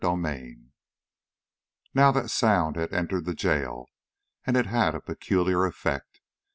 35 Now that sound had entered the jail, and it had a peculiar effect.